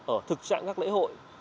ở thực trạng các lễ hội